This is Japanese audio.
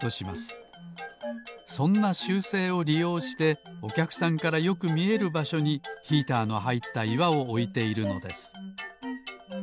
そんな習性をりようしておきゃくさんからよくみえるばしょにヒーターのはいったいわをおいているのです